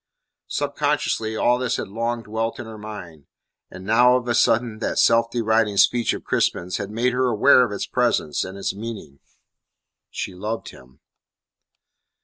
Subconsciously all this had long dwelt in her mind. And now of a sudden that self deriding speech of Crispin's had made her aware of its presence and its meaning. She loved him.